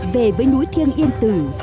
về với núi thiên yên tử